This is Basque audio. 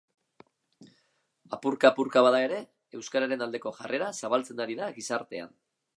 Apurka-apurka bada ere, euskararen aldeko jarrera zabaltzen ari da gizartean.